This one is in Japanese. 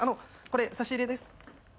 これ差し入れです。